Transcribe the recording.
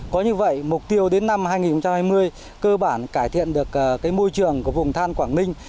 có như vậy mục tiêu đến năm hai nghìn hai mươi cơ bản cải thiện được môi trường của vùng than quảng ninh